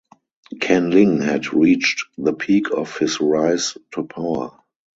Ken Ling had reached the peak of his rise to power.